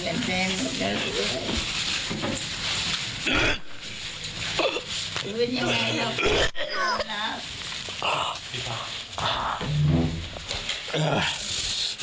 เป็นอย่างไรครับ